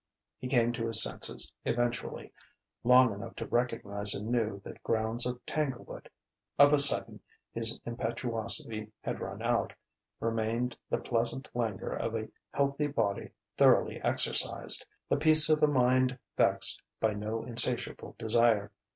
He came to his senses, eventually, long enough to recognize anew the grounds of Tanglewood. Of a sudden his impetuosity had run out; remained the pleasant languor of a healthy body thoroughly exercised, the peace of a mind vexed by no insatiable desire.